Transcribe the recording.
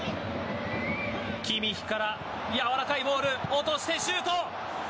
キミッヒからやわらかいボール落としてシュート。